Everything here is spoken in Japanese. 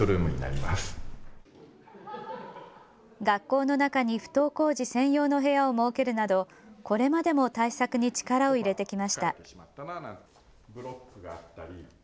学校の中に不登校児専用の部屋を設けるなど、これまでも対策に力を入れてきました。